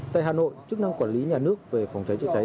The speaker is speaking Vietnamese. tại hà nội chức năng quản lý nhà nước về phòng cháy chữa cháy